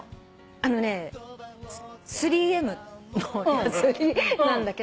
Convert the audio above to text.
あのね３Ｍのヤスリなんだけど。